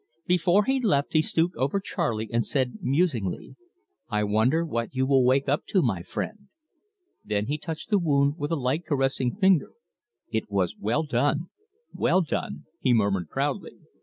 Before he left he stooped over Charley and said musingly: "I wonder what you will wake up to, my friend?" Then he touched the wound with a light caressing finger. "It was well done, well done," he murmured proudly.